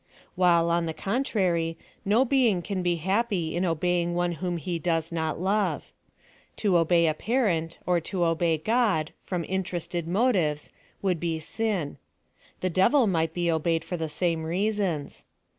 While, on the contrary, no being can be happy in obeying one whom he does not love. To obey a parent, or to obey God, from interested mo tives, would be sin. The devil might be obeyed for the same reasons.